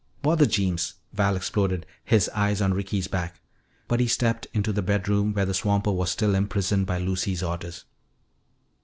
"Bother Jeems!" Val exploded, his eyes on Ricky's back. But he stepped into the bedroom where the swamper was still imprisoned by Lucy's orders.